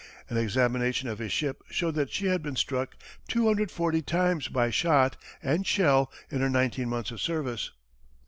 An examination of his ship showed that she had been struck 240 times by shot and shell in her nineteen months of service.